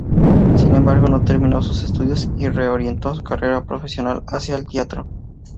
Sin embargo, no terminó sus estudios y reorientó su carrera profesional hacia el teatro.